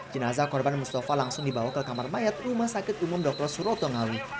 jenazah korban mustafa langsung dibawa ke kamar mayat rumah sakit umum dr suroto ngawi